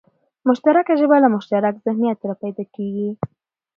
مشترکه ژبه له مشترک ذهنیت راپیدا کېږي